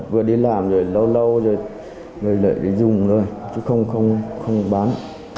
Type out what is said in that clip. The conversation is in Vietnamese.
vừa đi làm rồi nó lâu lâu rồi lại đi dùng thôi chứ không bán